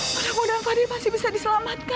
mudah mudahan fadil masih bisa diselamatkan